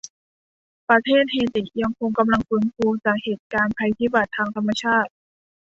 ประเทศเฮติยังคงกำลังฟื้นฟูจากเหตุการณ์ภัยพิบัติทางธรรมชาติ